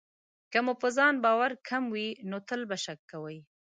که مو په ځان باور کم وي، نو تل به شک کوئ.